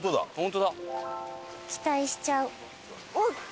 期待しちゃう。